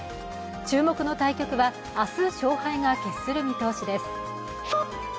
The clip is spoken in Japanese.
注目の対局は明日勝敗が決する見通しです。